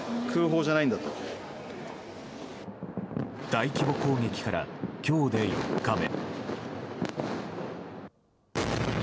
大規模攻撃から今日で４日目。